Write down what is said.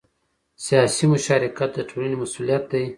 سیاسي مشارکت د ټولنې مسؤلیت دی